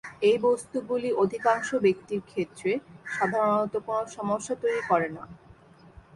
এই বস্তুগুলি অধিকাংশ ব্যক্তির ক্ষেত্রে সাধারণত কোনো সমস্যা তৈরি করে না।